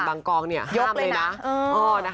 บางกองเนี่ยห้ามเลยนะ